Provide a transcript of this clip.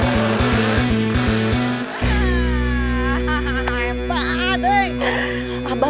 hahaha hebat nih